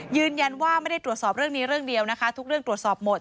ยืนยันว่าไม่ได้ตรวจสอบเรื่องนี้เรื่องเดียวนะคะทุกเรื่องตรวจสอบหมด